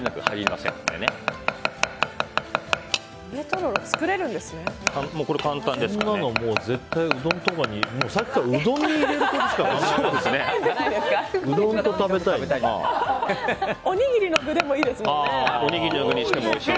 さっきからうどんに入れることしか考えてない。